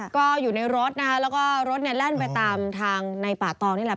ก็อยู่ในรถนะคะแล้วก็รถเนี่ยแล่นไปตามทางในป่าตองนี่แหละ